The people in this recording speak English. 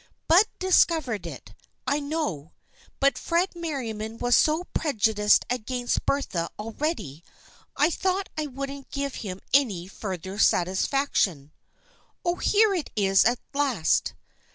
Bud discovered it, I know, but Fred Merriam was so prejudiced against Bertha already, I thought I wouldn't give him any further satisfaction. Oh, here it is at last